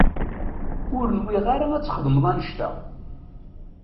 Ur nwiɣ ara ad txedmeḍ annect-a.